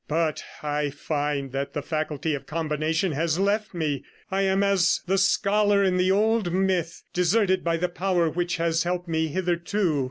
But I find that the faculty of combination has left me; I am as the scholar in the old myth, deserted by the power which has helped me hitherto.